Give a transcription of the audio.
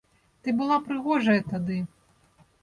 Ты была прыгожая тады.